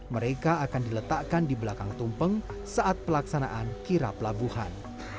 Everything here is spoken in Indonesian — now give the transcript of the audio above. mereka akan diletakkan di belakang tumpeng saat pelaksanaan kirap labuhan